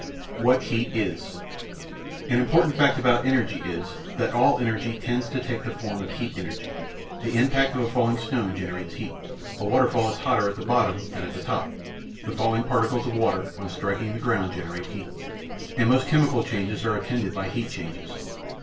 What Heat is An important fact about energy is, that all energy tends to take the form of heat energy. The impact of a falling stone generates heat; a waterfall is hotter at the bottom than at the top the falling particles of water, on striking the ground, generate heat; and most chemical changes are attended by heat changes.